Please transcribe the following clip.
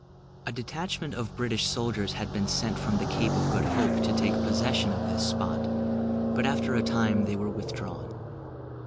A detachment of British soldiers had been sent from the Cape of Good Hope to take possession of this spot: but after a time they were withdrawn.